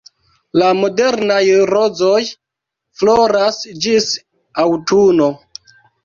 La modernaj rozoj floras ĝis aŭtuno.